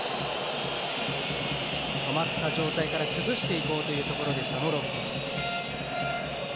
止まった状態から崩していこうというところでしたモロッコ。